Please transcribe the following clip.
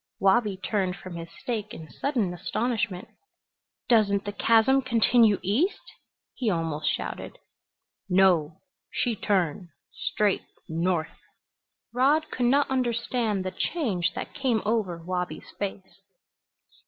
Wabi turned from his steak in sudden astonishment. "Doesn't the chasm continue east?" he almost shouted. "No. She turn straight north." Rod could not understand the change that came over Wabi's face.